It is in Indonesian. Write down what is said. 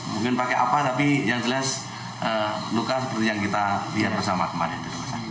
mungkin pakai apa tapi yang jelas luka seperti yang kita lihat bersama kemarin